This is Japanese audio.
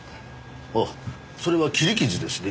あっそれは切り傷ですね。